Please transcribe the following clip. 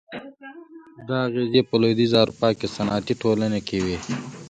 دا اغېزې په لوېدیځه اروپا کې صنعتي ټولنې کې وې.